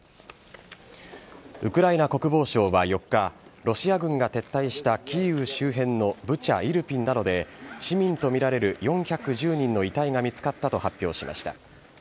ウクライナ国防省は４日、ロシア軍が撤退したキーウ周辺のブチャ、イルピンなどで、市民と見られる４１０人の遺体が見つかったと発表しました。